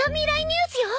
ニュースよ！